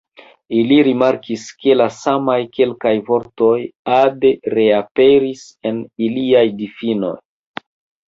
Ili rimarkis, ke la samaj kelkaj vortoj ade reaperis en iliaj difinoj.